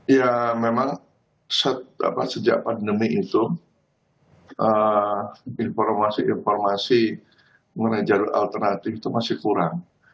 ya memang sejak pandemi itu informasi informasi mengenai jalur alternatif itu masih kurang